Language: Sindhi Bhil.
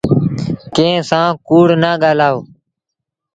ڪݩهݩ سآݩ ڪوڙ نا ڳآلآئو۔